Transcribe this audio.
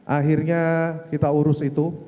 akhirnya kita urus itu